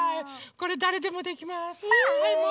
これだれでもできます。